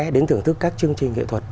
đến thưởng thức các chương trình nghệ thuật